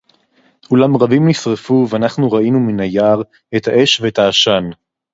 "אוּלָם רַבִּים נִשְׂרְפוּ וַאֲנַחְנוּ רָאִינוּ מִן הַיַּעַר אֶת הָאֵשׁ וְאֶת הֶעָשָׁן."